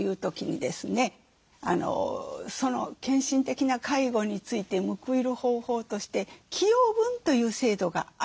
その献身的な介護について報いる方法として寄与分という制度があるんだった。